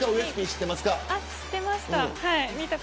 知っていました。